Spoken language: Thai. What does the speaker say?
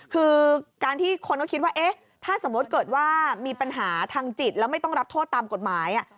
คือการที่คนก็คิดว่าเอ๊ะถ้าสมมติเกิดว่ามีปัญหาทางจิตแล้วไม่ต้องรับโทษตามกฎหมาย